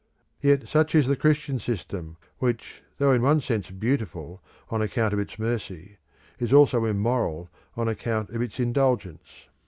Yet such is the Christian system, which, though in one sense beautiful on account of its mercy, is also immoral on account of its indulgence.